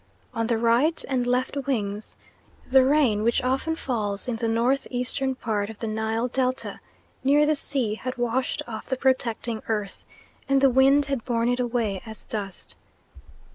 On the right and left wings the rain which often falls in the northeastern part of the Nile Delta, near the sea, had washed off the protecting earth, and the wind had borne it away as dust.